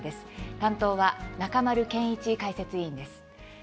担当は中丸憲一解説委員です。